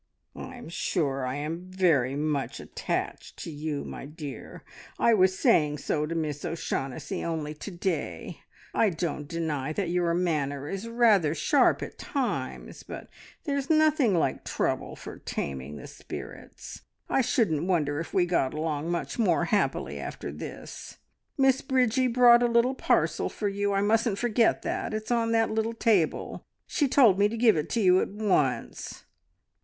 "I am sure I am very much attached to you, my dear. I was saying so to Miss O'Shaughnessy only to day. I don't deny that your manner is rather sharp at times, but there's nothing like trouble for taming the spirits. I shouldn't wonder if we got along much more happily after this. Miss Bridgie brought a little parcel for you I mustn't forget that. It is on that little table. She told me to give it to you at once."